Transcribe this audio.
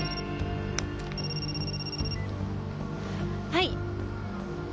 はい。